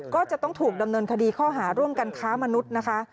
ก็จะต้องถูกดำเนินคดีข้อหาร่วมกันค้ามนุษย์นะคะ